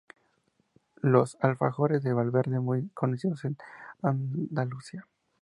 Los alfajores de Valverde, muy conocidos en Andalucía.